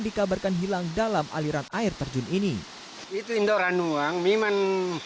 dikabarkan hilang dalam aliran air terjun ini itu indoranuang memang